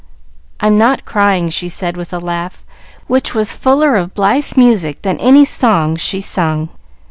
"I'm not crying," she said with a laugh which was fuller of blithe music than any song she sung.